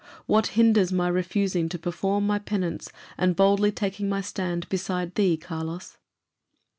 What hinders my refusing to perform my penance, and boldly taking my stand beside thee, Carlos?"